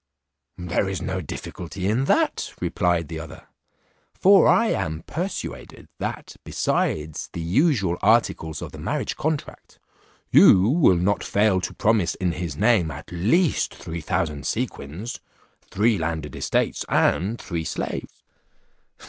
"There is no difficulty in that," replied the other; "for I am persuaded, that besides the usual articles of the marriage contract, you will not fail to promise in his name at least three thousand sequins, three landed estates, and three slaves."